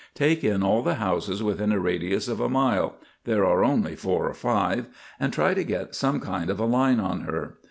Take in all the houses within a radius of a mile there are only four or five and try to get some kind of a line on her.